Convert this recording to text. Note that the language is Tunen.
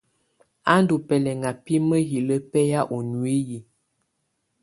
A ndù bɛlɛʼŋa bi mǝhilǝ bɛhaa u nuiyi.